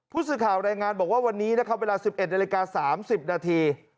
ผู้สื่อข่าวรายงานบอกว่าวันนี้นะครับเวลา๑๑นาฬิกา๓๐นาที